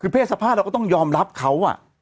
คือเพศสภาพเราก็ต้องยอมรับเขา